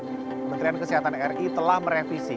kementerian kesehatan ri telah merevisi